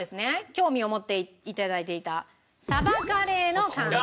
興味を持って頂いていたサバカレーの寒天。